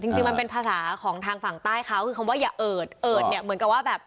จริงจริงมันเป็นภาษาของทางฝั่งใต้เขาคือคำว่าอย่าเอิดเอิดเนี่ยเหมือนกับว่าแบบ